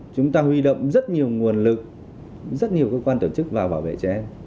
chúng ta huy động rất nhiều nguồn lực rất nhiều cơ quan tổ chức và bảo vệ trẻ em